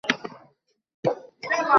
আর সেসব কাজ খুবই গুরুত্বপূর্ণ।